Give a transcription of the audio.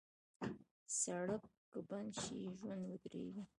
سړک که بند شي، ژوند ودریږي.